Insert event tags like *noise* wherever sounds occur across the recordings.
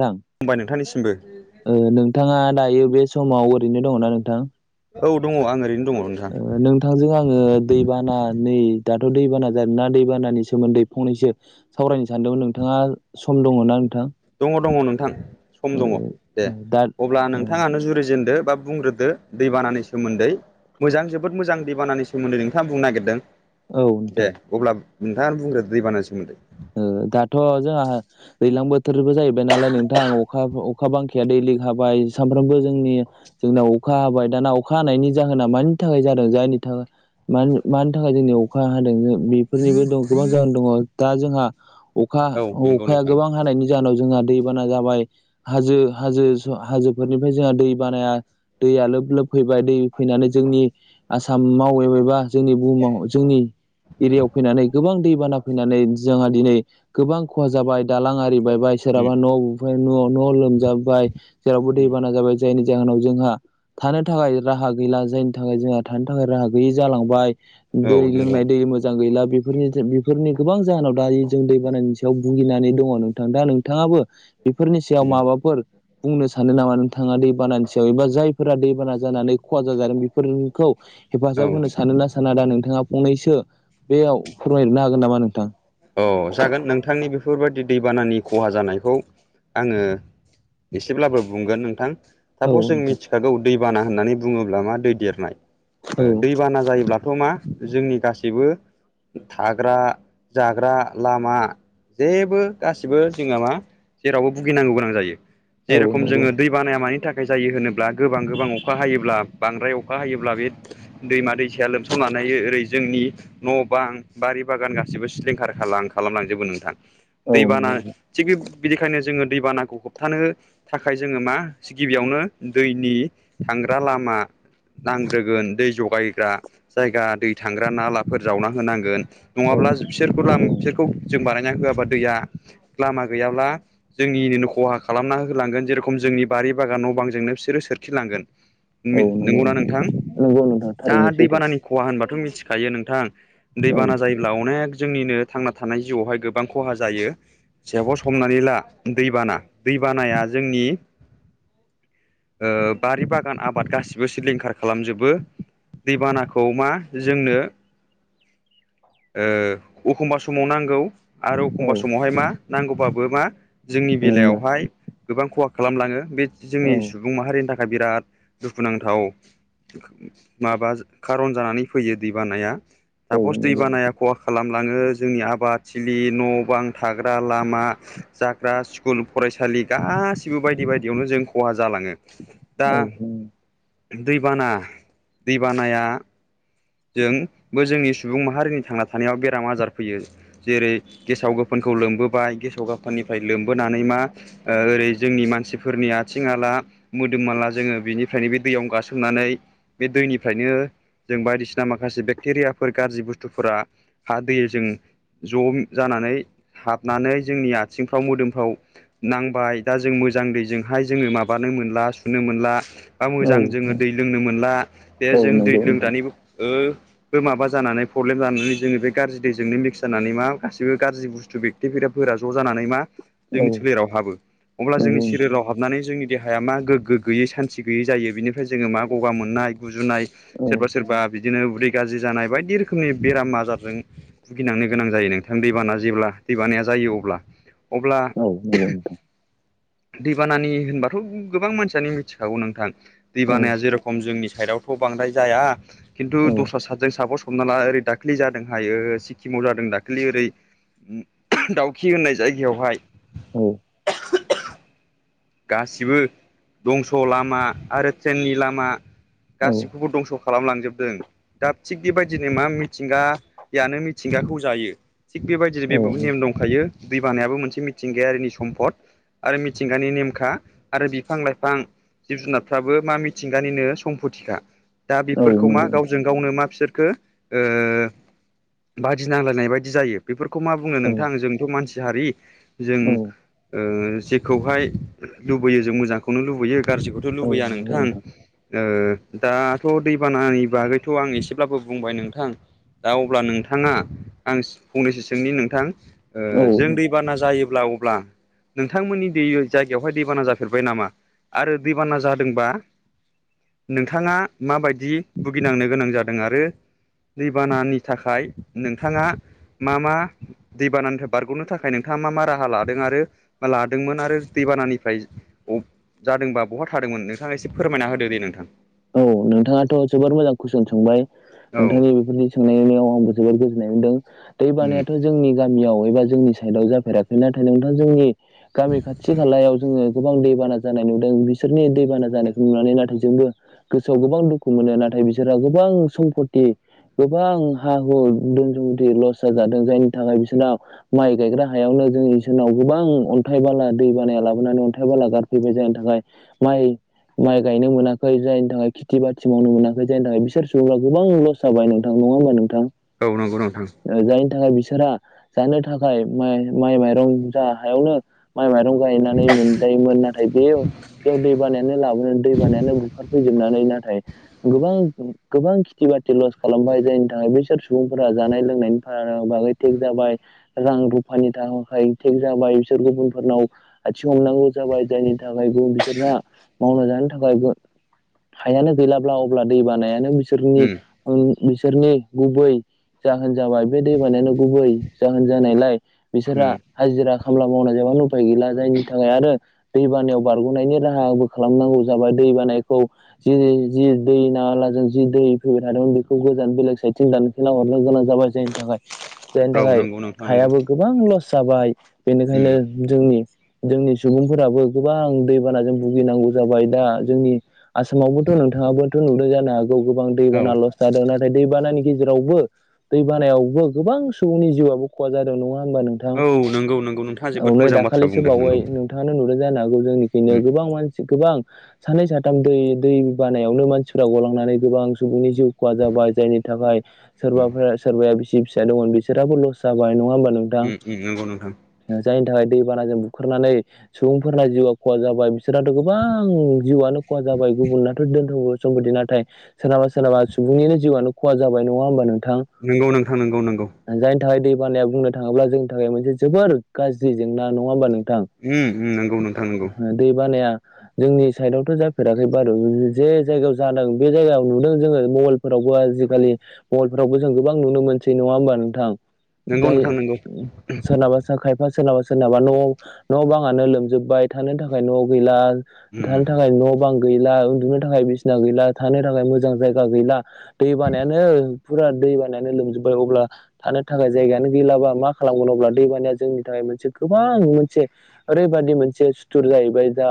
नोंथां खुलुमबाय नोंथांनिसिमबो ओ नोंथाङा दायो बे समाव ओरैनो दङना नोंथां औ दङ आं ओरैनो दङ नोंथां नोंथांजों आङो दैबाना नि दाथ' दैबाना जादों ना दैबानानि सोमोन्दै फंनैसो सावरायनो सानदोंमोन नोंथाङा सम दङ ना नोंथां दङ दङ नोंथां सम ओ दङ दे दा अब्ला नोंथाङानो जुरिजेनदो बा बुंग्रोदो दैबानानि सोमोन्दै मोजां जोबोद मोजां दैबानानि सोमोन्दै नोंथाङा बुंनो नागिरदों औ नोंथां। दे अब्ला नोंथाङानो बुंग्रो दैबानानि सोमोन्दै औ दाथ' जोंहा दैज्लां बोथोरबो जाहैबाय नालाय नोंथां अखा - अखा बांखाया दैलि हाबाय सानफ्रोमबो जोंनि जोंनाव अखा हाबाय दाना अखा हानायनि जाहोना मानि थाखाय जादों जायनि थाखाय मानि थाखाय जोंनि अखा हादों बेफोरनिबो दं गोबां जाहोन दङ दा जोंहा अखा औ नंगौ अखाया नोंथां गोबां हानायनि जाहोनाव जोंहा दै बाना जाबाय हाजो- हाजो हाजोफोरनिफ्राय जोंहा दै बानाया दैया लोब लोब फैबाय दै फैनानै जोंनि आसामाव एबा जोंनि बुहुमाव जोंनि एरियायाव फैनानै गोबां दैबाना फैनानै जोंहा दिनै गोबां खहा जाबाय दालां आरिबायायबाय उम सोरहाबा न' न' न' लोमजाबाय जेरावाबबो उम दैबाना जाबाय जायनि जाहोनाव जोंहा थानो थाखाय राहा गैला जायनि थाखाय जोंहा थानो थाखाय राहा गैयि जालांबाय औ दै नंगौ लोंनाय दै मोजां गैला बेफोरनि बेफोरनि गोबां जाहोनाव दायो जों दै बानायनि सायाव भुगिनानै दङ नोंथां दा नोंथाङाबो बेफोरनि सायाव उम माबाफोर बुंनो सानो नामा नोंथाङा दैबानानि सायाव एबा जायफोरा दैबाना जानानै खहा जा जादों बेफोरखौ हेफाजाब होनो सानो ना साना दा नोंथाङा फंनैसो बेयाव फोरमाय हरनो हागोन नामा नोंथां औ जागोन नोंथांनि बेफोरबायदि दैबानानि खहा जानायखौ आङो एसेब्लाबो बुंगोन नोंथां औ सापस जों नोंथां मिथिखागौ दैबाना होननानै बुङोब्ला मा दै देरनाय औ दैबाना जायोब्लाथ' मा जोंनि गासैबो थाग्रा जाग्रा लामा जेबो गासिबो जोंहा मा जेरावबो भुगिनांगौ गोनां जायो। जेर'खम नंगौ जोङो नोंथां। दै बानाया मानि थाख जायो होनोब्ला गोबां गोबां अखा हायोब्ला बांद्राय अखा हायोब्ला बे दैमा दैसाया लोमसावनानै हायो ओरै जोंनि न' बां बारि बागान गासिबो सिलिंखार खालाम-खालामलांजोबो नोंथां। औ दैबाना नंगौ थिग बे बिदिखायनो जोङो दैबानाखौ होबथानो थाखाय जोङो मा गिबियावनो दैनि थांग्रा लामा नांग्रोगोन दै ज'गायग्रा जायगा दै थांग्रा नालाफोर जावनां होनांगोन औ नङाब्ला बिसोरखौ लाम नंगौ बिसोरखौ जों बानायना होयाबा दैया लामा गैयाब्ला जोंनिनो खहा खालामना होलांगोन जेर'खम जोंनि बारि बागान न' बांजोंनो बिसोरो सोरखिलांगोन औ नो नंगौ नंगौना नोंथां नंगौ नोंथां दा थारैनो सैथो दैबानानि खहा होनबाथ' थिखायो नोंथां औ दैबाना जायोब्ला अनेक जोंनिनो थांना थानाय जिउआवहाय गोबां खहा जायो साफस हमनानै ला दैबाना दैबानाया जोंनि *inaudible* ओ बारि बागान आबाद गासिबो सिलिंखार खालामजोबो। दैबानाखौ मा जोंनो ओ अखमबा समाव नांगौ आरो औ अखमबा समावहाय मा नांगौबाबो मा जोंनि मानोना बेलायावहाय गोबां खहा खालामलाङो बे जोंनि औ सुबुं माहारिनि थाख दा बिराद दुखुनांथाव। माबा खारन जानानै फैयो दै बानाया औ सापस दै नंगौ बानाया खहा खालाम लाङो जोंनि आबादथिलि न बां थाग्रा लामा जाग्रा स्कुल फरायसालि गासिबो बायदि बायदियावनो जों खहा जालाङो। दा औ। दैबाना दैबानाया जों बो जोंनि सुबुं माहारिनि थांना थानायाव बेराम आजार फैयो। जेरै गेसाव गोफोन‌ खौ लोमबोबाय गेसाव गोफोननिफ्राय लोमबोनानै मा ओरै जोंनि मानसिफोरनि आथिं आला मोदोम माला जोङो बिनिफ्रायनो बे दैयाव गासोमनानै बे दैनिफ्रायनो जों बायदिसि माखासे बेक्टेरियाफोर गाज्रि बुस्थुफोरा हा दैजों ज' जानानै हाबनानै जोंनि आथिंफ्राव मोदोमफ्राव नांबाय दा जों मोजां दैजोंहाय जोङो माबानो मोनला सुनो मोनला बा औ मोजां जोङो दै लोंनो मोनला बे औ जों दै नंगौ नोंथां लोंग्रानिबो ओ बो माबा जानानै प्रब्लेम जानानै जोङो बे गाज्रि दैजोंनो मिक्स जानानै मा गासिबो गाज्रि बुस्थु बे थेफोरा-फोरा ज' जानानै मा औ जोंनि सोलेराव हाबो। अब्ला जोंनि नंगौ नोंथां सोरियोलाव हाबनानै जोंनि देहाया मा गोग्गो गैयै सान्थि गैयै जायो। बेनिफ्राय जोङो मा गगा मोनना नाय गुजुनाय औ सोरबा सोरबा बिदिनो उदै गाज्रि जानाय बायदि रोखोमनि बेराम आजारजों भुगिनांनो गोनां जायो नोंथां दैबाना जेब्ला दैबानाया जायो अब्ला अब्ला औ नंगौ नोंथां *inaudible* दैबानानि होनबाथ' गोबां मानसियानो मिथिखागौ नोंथां। औ दैबानाया जेरेखम जोंनि साइडआवथ' बां द्राय जाया। खिन्थु औ दस्रा सादजों साफस हमना ला ओरै दाख्लि जादों हायो सिक्किमाव जादों दाख्लि ओरै दाउखि होननाय जायगायावहाय। ग। *inaudible* गासिबो दंस लामा आरो ट्रेननि लामा। औ गासिखौबो दंस' खालामलांजोबदों। दा थिग बेबायदिनो मा मिथिंगायानो मिथिंगाखौ जायो। थिग बेबायदिनो बे औ नेम दंखायो। दै बानायाबो मोनसे मिथिंगायारिनि सम्पद। आरो मिथिंगानि नेम खा आरो बिफां-लाइफां, जिब-जुनारफ्राबो मा मिथिंगानिनो सम्फथिखा। दा औ बेफोरखौ मा नंगौ नोंथां गावजों गावनो मा बिसोरखो ओ बादि नांलायनाय बायदि जायो बेफोरखौ मा बुङो औ नोंथां औ जोंथ' मानसि हारि जों ओ जेखौहाय लुबैयो जों मोजांखौनो लुबैयो गाज्रिखौथ' औ लुबैया नंगौ नोंथां ओ दाथ' दै बानानि बागैथ' आं एसेब्लाबो बुंबाय नोंथां दा अब्ला नोंथाङा आं फंनैसो सोंनि नोंथां ओ जों औ दैबाना जायोब्ला अब्ला नोंथांमोननि दै जा गायावहाय दैबाना जाफेरबाय नामा? आरो दैबाना जादोंबा नोंथाङा माबायदि भुगिनांनो गोनां जादों आरो दैबानानि थाखाय नोंथाङा मा मा दैबानानिफ्राय बारग'नो थाखाय नोंथा ङा मा मा राहा लादों? आरो लादोंमोन आरो दैबानानिफ्राय ब जादोंबा बहा थादोंमोन? नोंथां एसे फोरमायना होदो दे नोंथां। औ नोंथाङाथ' जोबोर मोजां कुइसन सोंबाय । औ नोंथांनि बेफोरनि सोंनायनायाव आंबो जोबोर गोजोननाय मोनदों । दै उम बानायाथ' जोंनि गामियाव एबा जोंनि साइदआव जाफेराखै नाथाय नोंथां जोंनि गामि खाथि-खालायाव जोङो गोबां दैबाना जानाय नुदों बिसोरनि दैबाना जानायखौ नुनानै नाथाय जोंबो गोसोआव गोबां दुखु मोनो। नाथाय बिसोरहा गोबां सम्फथि गोबां हा-हु, दोन-सम्फथि लस जाजादों जायनि थाखाय बिसोरना माइ गायग्रा हायावनो जों इसोरनाव गोबां अन्थाइ बाला दै बानाया लाबोनानै अन्थाइ बाला गारफैबाय जायनि थाखाय माइ माइ गायनो मोनाखै जाय नि थाखाय खिथि-बाथि मावनो मोनाखै जायनि थाखाय बिसोर सुबुङा गोबां लस जाबाय नोंथां। नङा होमबा नों औ नंगौ नोंथां । थाखाय बिसोरा जानो थाखाय माइ-माइ-माइरं जा हायावनो माइ माइरं गायनानै मोनजायोमोन नाथाय बे बेयाव दै बानायानो लाबोनो दै बानायानो बुखार नानै नाथाय गोबां गोबां खिथि-बाथि लस खालामबाय जायनि थाखाय बैसोर सुबुंफोरा जानाय लोंनायनि फार-बागै थेग जाबाय रां-रुफानि थाखाय थेग जाबाय बिसोर गुबुनफोरनाव आयथिं हमनांगौ जाबाय जायनि थाखाय बिसोरना मावना जानो थाखायबो हायानो गैलाब्ला अब्ला दै बानायानो बिसोरनि उम बिसोरनि गुबै जाहोन जाबाय। बे दै बानायानो गुबै जाहोन जानायलाय बिसोरा उम हाजिरा खामला मावनाय जायाबानो उफाय गैला जायनि थाखाय आरो दै बानायाव बारग'नायनि राहाबो खालामनांगौ जाबाय दै बाना खौ जि-जि दै नालाजों जि दै फैबाय थादोंमोन बेखौ गोजान बेलेग साइडथिं दानखेना हर नो गोनां जाबाय जायनि थाखाय जायनि औ थाखाय नंगौ नोंथां नंगौ हायाबो गोबां लस जाबाय उम बेनिखायनो जोंनि जोंनि सुबुंफोराबो गोबां दैबानाजों भुगिनांगौ जाबाय दा जोंनि आसामावबोथ' नोंथाङाबोथ' नुदों जानो हागौ गोबां औ दैबाना लस जादों नाथाय दैबानानि गेजेरावबो दै बानायावबो गोबां सुबुंनि जिउआबो खहा जादों नङा होनबा नोंथां? औ नंगौ नंगौ नोंथाङा औ जोबोद मोजां बाथ्रा दाखालिसो बुंदों बावै नंगौ नोंथाङानो नुदों जानो हागौ जोंनिखैनो उम गोबां मानसि गोबां सानै साथाम दै-दै बानायावनो मानसिफोरा गलांनानै गोबां सुबुंनि जिउ खहा जाबाय जायनि थाखाय सोरबा सोरबाया बिसि-फिसा दं बिसोराबो लस जाबाय नङा होमबा नोंथां? उम उम नंगौ नोंथां ओ जायनि थाखाय दै बानाजों बुखारनानै सुबुंफोरना जिउआ खहा जाबाय बिसोरथ' गोबां जिउआनो खहा जाबाय गुबुननाथ' दोन-सम्फथि नाथाय सोरनाबा सोरनाबा सुबुंनिनो जिउआ खहा जाबाय नङा होमबा नों नोनगौ नोंथां नोंगौ नोंगौ । थाखाय दै बानाया बुंनो थाङोब्ला जोंनि थाखाय मोनसे जोबोर गाज्रि जेंना नङा होमबा नों थां? उम उम नंगौ नोंथां नंगौ ओ दै बानाया जोंनि साइदावथ' जा फेराखै बारु जे जायगायाव जादों बे जायगायाव नुदों जोङो मबेलफोरावबो आजिखालि मबेल‌ फोरावबो गोबां नुनो मोनसै। नङा होमबा नोंथां? नंगौ जाय नोंथां नंगौ सोरनाबा खायफा सोरनाबा सोरनाबा न' न' बाङानो लोमजोबबाय थानो थाखाय न' गैला थानो उम थाखाय न' बां गैला, उन्दुनो थाखाय बिसिना गैला, थानो थाखाय मोजां जायगा गैला दै बानायानो फुरा दै बानायानो लोमजोबबाय अब्ला थानो थाखाय जायगायानो गैलाबा मा खालामगोन अब्ला दै बानाया जोंनि थाखाय मोनसे गोबां मोनसे ओरैबादि मोनसे सुथुर जाहैबाय दा।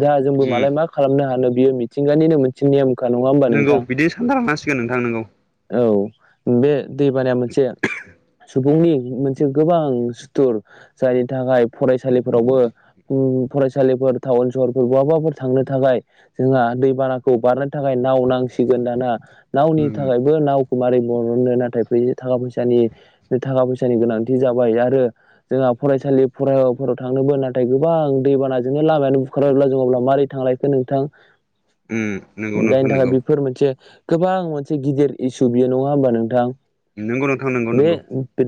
दा जोंबो उम मालाय मा खालामनो हानो बियो मिथिंगानिनो मोनसे नेयम। खा नङा होमबा नंगौ नोंथां बिदि सानना लानांसिगोन नोंथां नंगौ औ। बे दै बानाया मोनसे सुबुंनि मोनसे गोबां सुथुर जायनि थाखाय फरायसालिफोरावबो उम फरायसालिफोर टाउन सहरफोर बहाबाफोर थांनो थाखाय जोंहा दैबानाखौ बारनो थाखाय नाव नांसिगोन दाना। नावनि उम थाखायबो नाव मारै बरननो नाथाय फै थाखा फैसानि थाखा फैसानि गोनांथि जाबाय आरो जोंहा फरायसालि फरायफोराव थांनोबो नाथाय गोबां दैबानाजोंनो लामायानो बुखारबायब्ला जों अब्ला मारै थांलाय नोंथां। उम नंगौ जायनि नोंथां थाखाय नंगौ बेफोर मोनसे गोबां मोनसे गिदिर इसु बियो नङा होमबा नोंथां। नंगौ नोंथां नंगौ बे नंगौ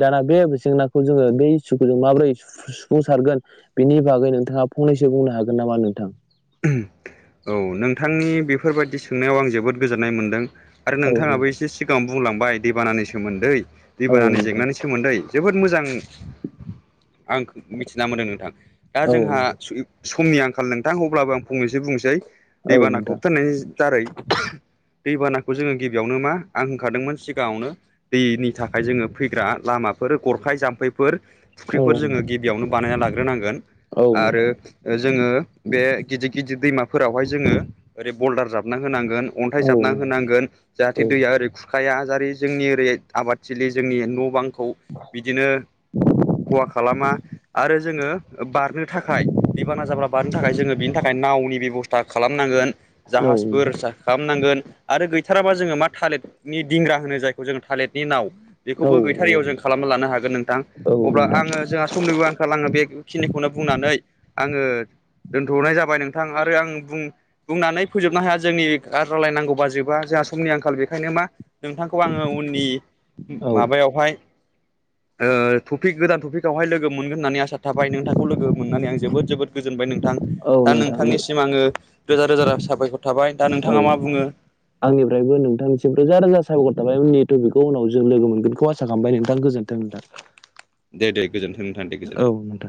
दाना बे जेंनाखौ जोंङो बेै इसुखौ जों माबोरै सुफुंसारगोन बेनि बागै नोंथाङा फंनैसो बुं नो हागोन नामा नोंथां। *unintelligible* औ नोंथांनि बेफोरबायदि सोंनायाव आं जोबोद गोजोननाय मोनदों। आरो औ नोंथाङाबो नोंथां एसे सिगाङाव बुंलांबाय दैबानानि सोमोन्दै। औ दैबानानि नोंथां जेंनानि सोमोन्दै जोबोद मोजां आं मिथिना मोनदों नोंथां। दा औ जोंहा समनि आंखाल नोंथां अ ब्लाबो आं फंनैसो बुंनोसै दैबानाखौ नोंथां होबथायनि दारै। दैबानाखौ जोंङो गिबियावनो मा आं होनखादोंमोन सिगाङावनो दैनि थाखाय जोंङो फैग्रा लामा फोर गरखाय जाम्फैफोर औ नोंथां फुख्रिफोर जोंङो औ गिबियावनो बानायना लाग्रोनांगोन। औ आरो नोंथां जोंङो बे गिदिर गिदिर दैमाफोरावहाय जोंङो ओरै बल्दार जाबना होनांगोन। अन्थाइ औ जाबना होनांगोन जाहाथे औ दैया ओरै खुर खाया जारै जोंनि ओरै आबादथिलि जोंनि न' बां खौ बिदिनो खहा खालामा आरो जोङो बारनो थाखाय दैबाना जाब्ला बारनो थाखाय जोंङो बिनि थाखाय नावनि बेबस्था खालामनांगोन। औ जाहाजफोर नोंथां खालामनांगोन आरो गै थाराबा जोङो मा थालिरनि दिंग्रा होनो जायखौ जोङो थालिरनि नाव। बेखौबो गैथारियाव जों औ खालामना लानो हागोन नोंथां औ अब्ला नोंथां आंङो जोंहा समनिबो आंखाल आंङो बेखिनिखौ नों बुंनानै आङो दोनथ'नाय जा बाय नोंथां आरो आं बुं बुंनानै फोजोबनो हाया जोंनि *unintelligible* नांगौ बा जोबा जोंहा समनि आंखाल बे खायनो मा नोंथांखौ आङो उननि माबायावहाय *inaudible* ओ टपिक गोदान टपिकआवहाय लोगो मोनगोन होननानै आसा थाबाय नोंथांखौ लोगो मोननानै आं जोबोद जोबोद गोजोनबाय नोंथां। औ औ दा नोंथां नोंथांनिसिम आंङो रोजा रोजा रा साबायखर थाबाय। दा औ नोंथाङा मा बुङो? आंनिफ्रायबो नोंथांनिसिम रोजा रोजा साबायखर था बाय उननि टपिकखौ उनाव जों लोगो मोनगोनखौ आसा खालामबाय नोंथां गोजोन्थों नोंथां। दे दे गोजोन्थों नोंथां दे गोजोननाय। औ नोंथां